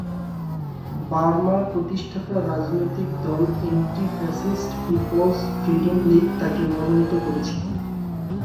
বার্মার প্রতিষ্ঠাতা রাজনৈতিক দল অ্যান্টি-ফ্যাসিস্ট পিপলস ফ্রিডম লীগ তাকে মনোনীত করেছিলেন।